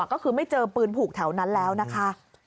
ก็คือไม่เจอปืนผูกแถวนั้นแล้วนะคะ